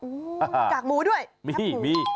จากหมูด้วยจากหมูมี